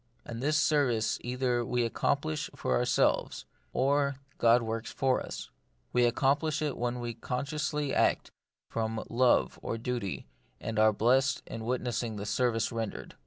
And this service either we accomplish for ourselves, or God works for us. We accom plish it when we consciously act from love or duty, and are blest in witnessing the service rendered.